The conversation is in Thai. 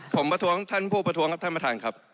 ผมประท้วงท่านผู้ประท้วงครับท่านประธานครับ